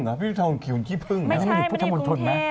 ไม่ใช่ไม่ได้ปรุงเทพ